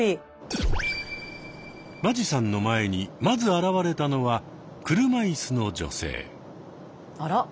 間地さんの前にまず現れたのは車いすの女性。